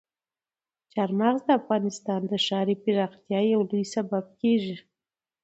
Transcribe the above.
چار مغز د افغانستان د ښاري پراختیا یو لوی سبب کېږي.